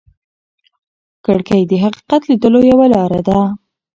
کړکۍ د حقیقت لیدلو یوه لاره ده.